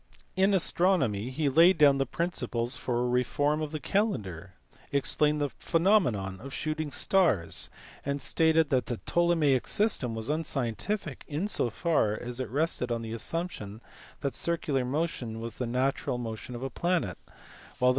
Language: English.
In astronomy he laid down the principles for a reform of the calendar, explained the pheno mena of shooting stars, and stated that the Ptolemaic system was unscientific in so far as it rested on the assumption that circular motion was the natural motion of a planet, while the 182 INTRODUCTION OF ARABIAN WORKS INTO EUROPE.